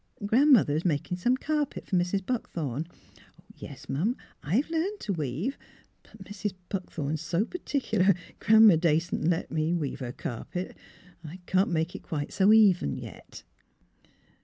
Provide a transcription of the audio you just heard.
Gran 'mother is making some carpet for Mrs. Buckthorn. — Yes 'm, I've learned to weave; but Mrs. Buckthorn's so particular, Gran 'ma dassent let me weave her carpet. I can't make it quite so even yet.